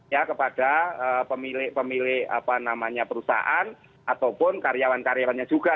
ya kepada pemilik pemilik apa namanya perusahaan ataupun karyawan karyawannya juga